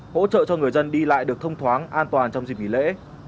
hỗ trợ cho người dân đi lại được thông thoáng an toàn trong dịp nghỉ lễ